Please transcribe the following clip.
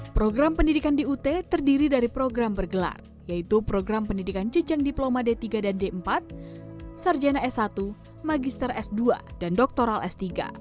program pendidikan di ut terdiri dari program bergelar yaitu program pendidikan jejang diploma d tiga dan d empat sarjana s satu magister s dua dan doktoral s tiga